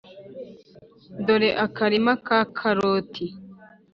dore akarima ka karoti